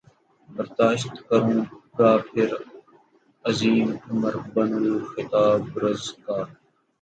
برداشت کروں گا پھر عظیم عمر بن الخطاب رض کا